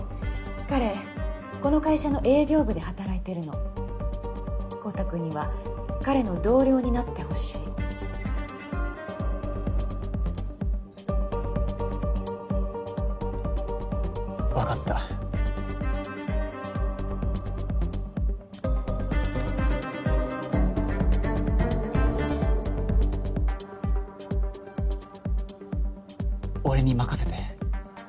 彼この会社の営業部で働いてるの昊汰君には彼の同僚になってほしいわかった俺に任せて。